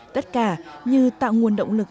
tất cả như tạo nguồn động lực